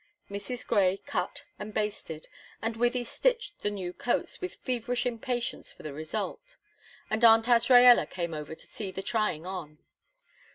Mrs. Grey cut and basted, and Wythie stitched the new coats with feverish impatience for the result, and Aunt Azraella came over to see the trying on.